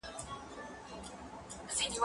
زه به پاکوالي ساتلي وي!؟